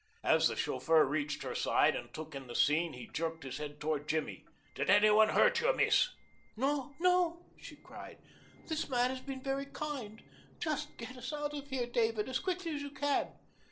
As the chauffeur reached her side and took in the scene he jerked his head toward Jimmy. "Did any one hurt you miss?" "No, no!" she cried. "This man was very kind. Just get us out of here, David, as quickly as you can."